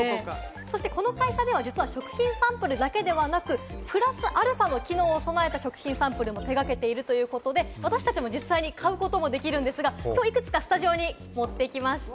そしてこの会社では食品サンプルだけではなく、プラスアルファの機能を備えた食品サンプルも手がけているということで、私達も実際に買うこともできるんですが、いくつかスタジオに持ってきました。